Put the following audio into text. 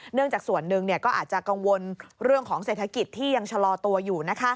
จากส่วนหนึ่งก็อาจจะกังวลเรื่องของเศรษฐกิจที่ยังชะลอตัวอยู่